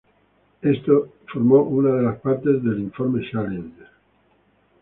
Esto formó una de las partes de la Challenger Informe.